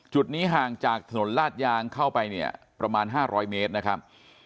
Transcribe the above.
จุดนี้ห่างจากถนนลาดยางเข้าไปเนี่ยประมาณ๕๐๐เมตรนะครับ